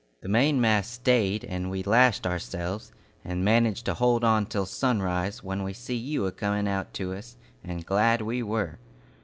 The mainmast stayed, and we lashed ourselves, and managed to hold on till sunrise, when we see you a coming out to us, and glad we were.